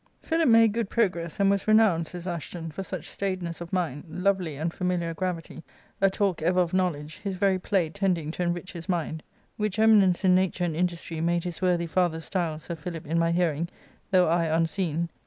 Philip made good progress, and was renowned, says Ashton, " for such staidness of mind, lovely and familiar gravity, a talk ever of knowledge, his very play tending to enrich his mind. Which eminence in nature and industry made his worthy father style Sir Philip in my hearing, though I unseen.